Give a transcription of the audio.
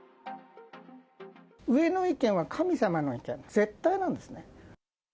上の意見は神様の意見、絶対なんですね。